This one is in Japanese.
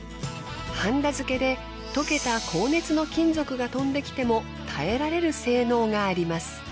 ハンダづけで溶けた高熱の金属が飛んできても耐えられる性能があります。